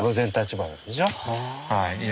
はい。